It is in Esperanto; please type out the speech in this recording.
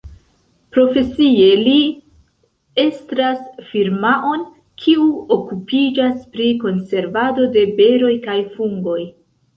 Profesie li estras firmaon, kiu okupiĝas pri konservado de beroj kaj fungoj.